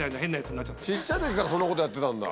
小っちゃい時からそんなことやってたんだ。